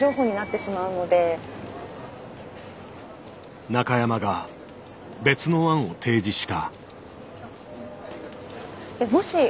私中山が別の案を提示した。